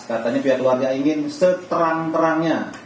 kata ini pihak keluarga ingin seterang terangnya